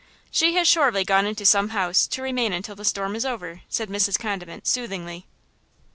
She has surely gone into some house, to remain until the storm is over," said Mrs. Condiment, soothingly.